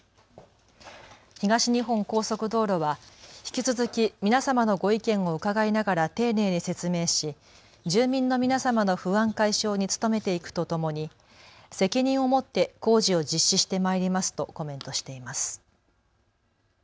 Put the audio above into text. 東日本高速道路は引き続き皆様のご意見を伺いながら丁寧に説明し住民の皆様の不安解消に努めていくとともに責任を持って工事を実施してまいりますとコメントしています。